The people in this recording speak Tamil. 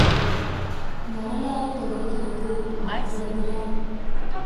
வரலாறு தொடர்கிறது அவ்வளவுதான்.